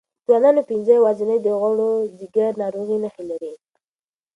د ځوانانو پنځه یوازینۍ د غوړ ځیګر ناروغۍ نښې لري.